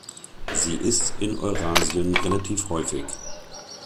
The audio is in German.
Sie ist in Eurasien relativ häufig.